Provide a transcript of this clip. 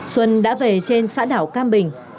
xuân đã về trên xã đảo cam bình